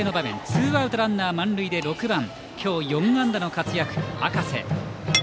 ツーアウトランナー満塁で６番、今日４安打の活躍、赤瀬。